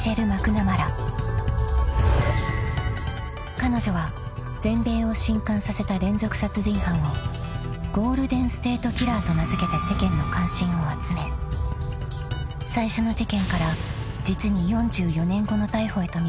［彼女は全米を震撼させた連続殺人犯をゴールデン・ステート・キラーと名付けて世間の関心を集め最初の事件から実に４４年後の逮捕へと導いた人物だ］